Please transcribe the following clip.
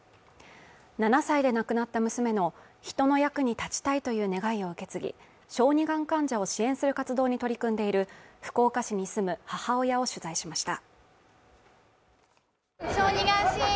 ７歳で亡くなった娘の人の役に立ちたいという願いを受け継ぎ小児がん患者を支援する活動に取り組んでいる福岡市に住む母親を取材しました